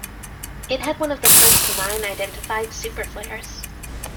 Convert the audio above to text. It had one of the first nine identified superflares.